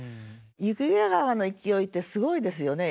雪解川の勢いってすごいですよね。